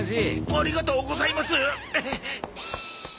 ありがとうございます！